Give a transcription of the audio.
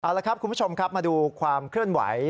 เอาละครับคุณผู้ชมครับมาดูความเคลื่อนไหว